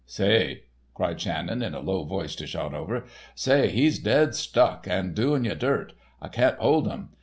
"Say," cried Shannon, in a low voice to Shotover—"say, he's dead stuck on doin' you dirt. I can't hold um.